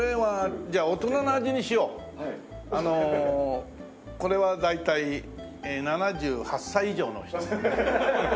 あのこれは大体７８歳以上の人。